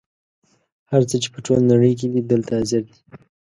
هر څه چې په ټوله نړۍ کې دي دلته حاضر دي.